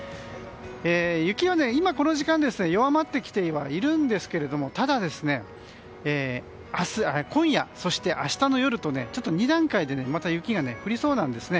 雪は今この時間、弱まってきてはいるんですけれどもただ、今夜、明日の夜と２段階で雪がまた降りそうなんですね。